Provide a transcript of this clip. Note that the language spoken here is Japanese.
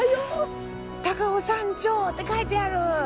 「高尾山頂」って書いてある！